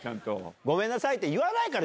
ごめんなさいって言わないから。